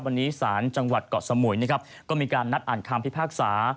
วันนี้ศาลจังหวัดเกาะสมุยก็มีการนัดอ่านคำที่ภาคสา